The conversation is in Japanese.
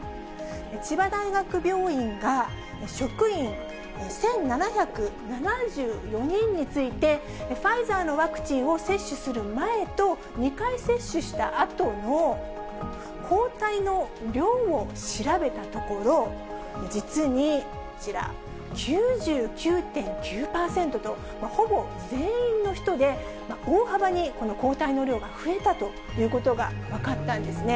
千葉大学病院が、職員１７７４人について、ファイザーのワクチンを接種する前と、２回接種したあとの抗体の量を調べたところ、実にこちら、９９．９％と、ほぼ全員の人で、大幅に抗体の量が増えたということが分かったんですね。